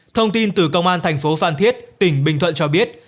thông tin từ công an thành phố phan thiết tỉnh bình thuận cho biết